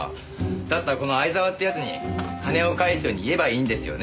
だったらこの相沢って奴に金を返すように言えばいいんですよね？